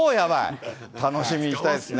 楽しみにしたいですね。